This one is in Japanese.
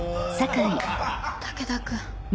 武田君。